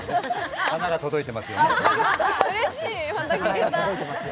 花が届いてますよ。